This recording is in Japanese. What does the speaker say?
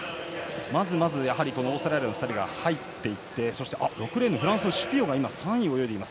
まずまず、オーストラリアの２人が入っていってそして６レーンのフランスのシュピオが３位を泳ぎます。